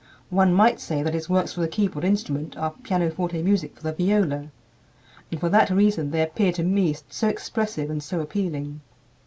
One might say that his works for the keyboard instrument are pianoforte music for the viola, and for that reason they appear to me so expressive and so appealing.